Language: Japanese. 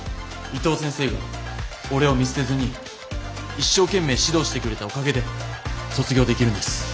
伊藤先生が俺を見捨てずに一生懸命指導してくれたおかげで卒業できるんです。